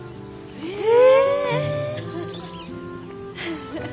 へえ。